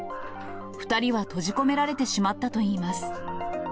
２人は閉じ込められてしまったといいます。